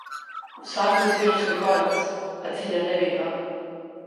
Vsakdo doseže svoj konec, a cilja ne vedno.